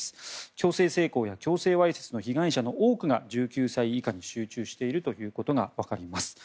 強制性交や強制わいせつの被害者の多くが１９歳以下に集中しているということがわかります。